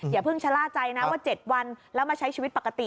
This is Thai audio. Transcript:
อย่าเพิ่งชะล่าใจนะว่า๗วันแล้วมาใช้ชีวิตปกติ